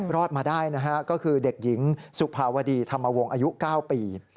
รอดมาได้นะฮะก็คือเด็กหญิงสุภาวดีธรรมวงศ์อายุ๙ปี